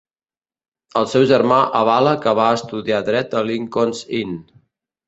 El seu germà avala que va estudiar dret a Lincoln's Inn.